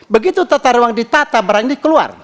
begitu tata ruang ditata barang ini keluar